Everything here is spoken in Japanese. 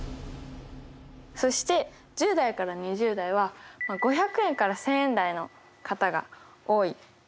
そして１０代から２０代は５００円から１，０００円台の方が多い。